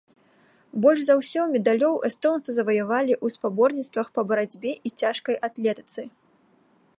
Больш за ўсё медалёў эстонцы заваявалі ў спаборніцтвах па барацьбе і цяжкай атлетыцы.